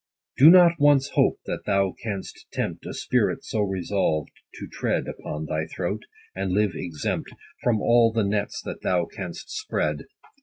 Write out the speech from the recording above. Do not once hope that thou canst tempt A spirit so resolv'd to tread Upon thy throat, and live exempt From all the nets that thou canst spread.